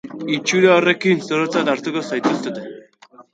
Itxura horrekin zorotzat hartuko zaituztete.